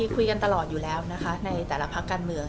คุยกันตลอดอยู่แล้วนะคะในแต่ละพักการเมือง